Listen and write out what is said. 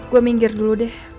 gue minggir dulu deh